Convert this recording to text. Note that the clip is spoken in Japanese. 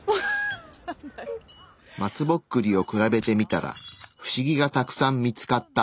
松ぼっくりを比べてみたらフシギがたくさん見つかった。